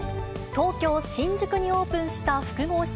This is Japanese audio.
東京・新宿にオープンした複合施